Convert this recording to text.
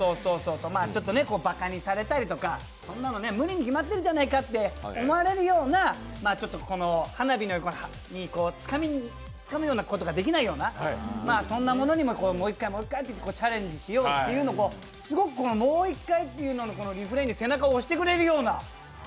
ばかにされたりとかそんなの無理に決まってるじゃないかと思われるようなちょっと花火のようにつかむようなことができないような、そんなものにももう一回もう一回チャレンジしようというすごくもう一回っていうリフレインに背中を押してもらえるような。